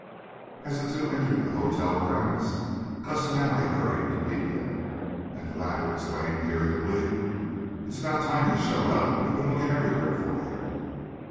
As the two entered the hotel grounds, Gus and Allie hurried to meet them, and the latter exclaimed, irritably: "It's about time you showed up. We've been looking everywhere for you."